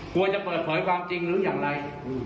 กลัวจะเปิดเผยความจริงหรืออย่างไร